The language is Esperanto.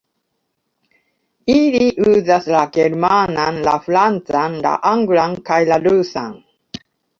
Ili uzas la germanan, la francan, la anglan kaj la rusan.